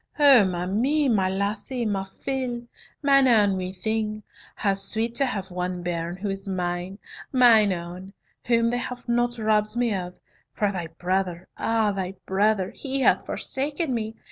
"O ma mie, my lassie, ma fille, mine ain wee thing, how sweet to have one bairn who is mine, mine ain, whom they have not robbed me of, for thy brother, ah, thy brother, he hath forsaken me!